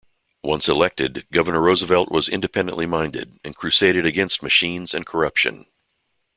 Once elected, Governor Roosevelt was independently minded, and crusaded against machines and corruption.